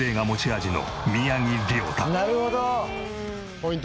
ポイント